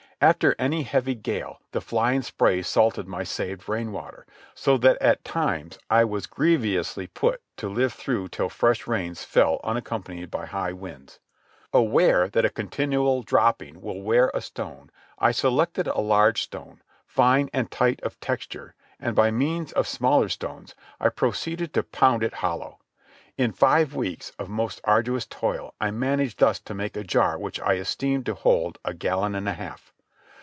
After any heavy gale, the flying spray salted my saved rainwater, so that at times I was grievously put to live through till fresh rains fell unaccompanied by high winds. Aware that a continual dropping will wear a stone, I selected a large stone, fine and tight of texture and, by means of smaller stones, I proceeded to pound it hollow. In five weeks of most arduous toil I managed thus to make a jar which I estimated to hold a gallon and a half.